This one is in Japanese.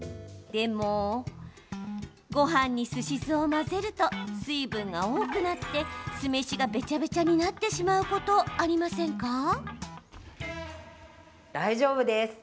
でもごはんにすし酢を混ぜると水分が多くなって、酢飯がべちゃべちゃになってしまうことありませんか？